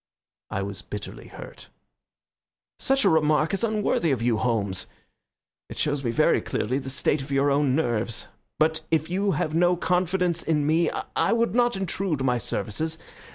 I was bitterly hurt. "Such a remark is unworthy of you, Holmes. It shows me very clearly the state of your own nerves. But if you have no confidence in me I would not intrude my services.